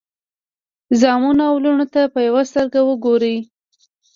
زامنو او لوڼو ته په یوه سترګه وګورئ.